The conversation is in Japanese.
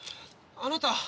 あなた。